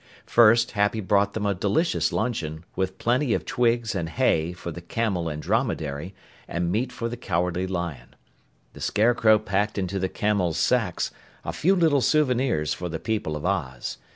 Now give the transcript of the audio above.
First, Happy brought them a delicious luncheon, with plenty of twigs and hay for the camel and dromedary and meat for the Cowardly Lion. The Scarecrow packed into the camel's sacks a few little souvenirs for the people of Oz.